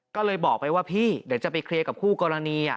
ก็เลยบอกไปว่าพี่เดี๋ยวจะไปเคลียร์กับคู่กรณี